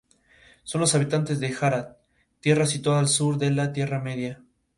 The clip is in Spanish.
Son los habitantes de Harad, tierra situada al sur de la Tierra Media.